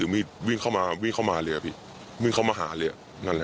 มีแรงยัวยู้จักอะไร